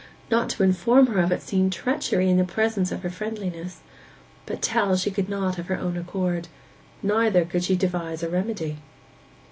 Not to inform her of it seemed treachery in the presence of her friendliness; but tell she could not of her own accord—neither could she devise a remedy.